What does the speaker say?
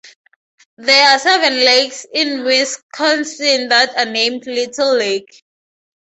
There are seven lakes in Wisconsin that are named Little Lake.